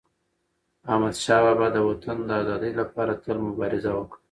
احمدشاه بابا د وطن د ازادی لپاره تل مبارزه وکړه.